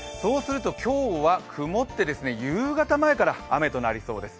今日は曇って、夕方前から雨となりそうです。